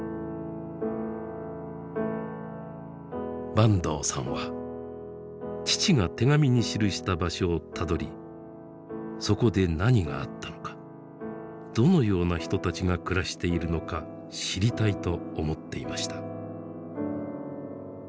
坂東さんは父が手紙に記した場所をたどりそこで何があったのかどのような人たちが暮らしているのか知りたいと思っていました。